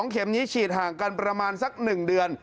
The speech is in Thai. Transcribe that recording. เข็มนี้ฉีดห่างกันประมาณสัก๑เดือน